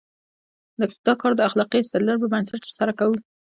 دا کار د اخلاقي استدلال پر بنسټ ترسره کوو.